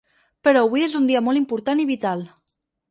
Però avui és un dia molt important i vital.